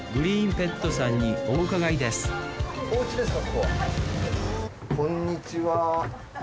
こんにちは。